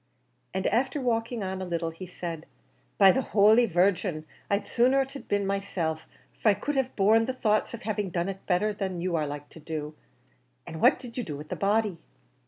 And after walking on a little, he said, "By the holy Virgin, I'd sooner it had been myself; for I could have borne the thoughts of having done it better than you are like to do. An' what did you do with the body?"